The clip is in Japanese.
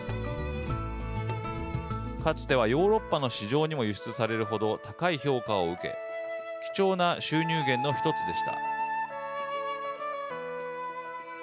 かつてはヨーロッパの市場にも輸出されるほど高い評価を受け貴重な収入源のひとつでした。